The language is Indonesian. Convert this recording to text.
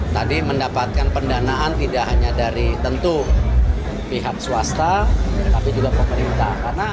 tadi mendapatkan pendanaan tidak hanya dari tentu pihak swasta tapi juga pemerintah